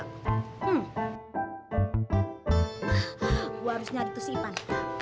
gua harus nyari tuh si ipan